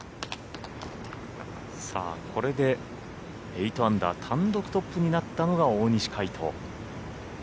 これで８アンダー単独トップになったのが大西魁斗。